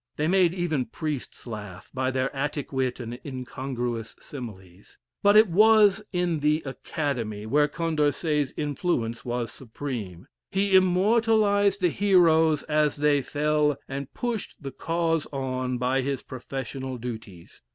They made even priests laugh by their Attic wit and incongruous similes. But it was in the "Academy" where Condorcet's influence was supreme. He immortalized the heroes as they fell, and pushed the cause on by his professional duties.